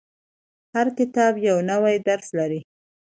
• هر کتاب یو نوی درس لري.